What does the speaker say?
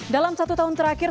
dalam satu tahun terakhir